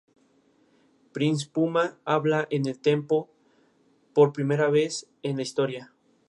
Enseñaba teología radical así como asignaturas más modernas, como ciencias, idiomas modernos, o historia.